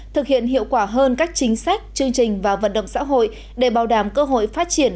thực hiện hiệu quả hơn các chính sách chương trình và vận động xã hội để bảo đảm cơ hội phát triển